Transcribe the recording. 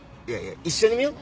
一緒に見よう。